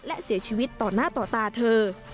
และเสียชีวิตต่อหน้าต่อตาเธอ